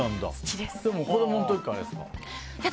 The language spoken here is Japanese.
子供の時からですか？